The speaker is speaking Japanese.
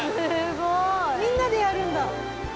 みんなでやるんだ。